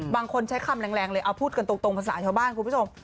บางคนใช้คำแรงเลยเอาพูดกันตรงภาษาชาวบ้านคุณผู้ชม